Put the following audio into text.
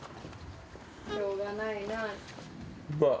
しょうがないな。バア。